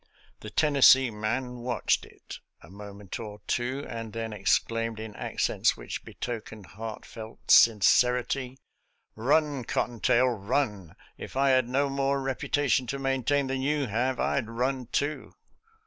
The Tennessee man watched it a moment or two, and then exclaimed, in accents which betokened heartfelt sincerity, " Eun, cot ton tail, run! If I had no more reputation to maintain than, you have, I'd run, too."